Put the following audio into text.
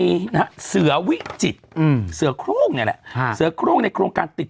ยังไงยังไงยังไงยังไง